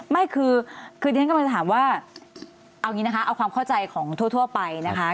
ไม่คือคือที่ฉันกำลังจะถามว่าเอาอย่างนี้นะคะเอาความเข้าใจของทั่วไปนะคะ